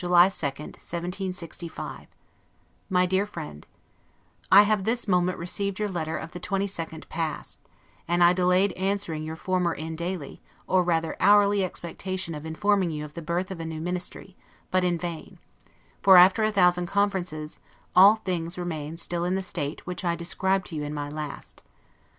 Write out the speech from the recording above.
LETTER CCLXXVI BLACKHEATH, July 2, 1765 MY DEAR FRIEND: I have this moment received your letter of the 22d past; and I delayed answering your former in daily, or rather hourly expectation of informing you of the birth of a new Ministry; but in vain; for, after a thousand conferences, all things remain still in the state which I described to you in my last.